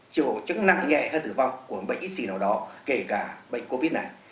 chủ chức nặng nhẹ hay tử vong của bệnh y sĩ nào đó kể cả bệnh covid này